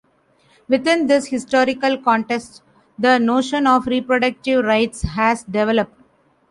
Within this historical contexts, the notion of reproductive rights has developed.